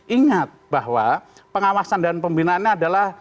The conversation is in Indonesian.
ingat bahwa pengawasan dan pembinaannya adalah